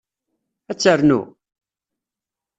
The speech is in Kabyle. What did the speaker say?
Ad ternu?